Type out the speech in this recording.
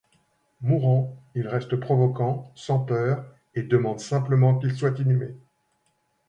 Mourant, il reste provocant, sans peur, et demande simplement qu'il soit inhumé.